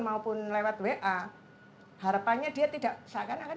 mengumumkan aspek ini jika ini adalah data data aksesif broker